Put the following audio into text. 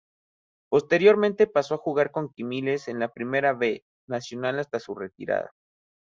Posteriormente pasó a jugar con Quilmes en la Primera B Nacional hasta su retirada.